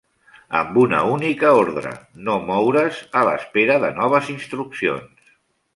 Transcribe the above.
Amb una única ordre: no moure’s a l'espera de noves instruccions.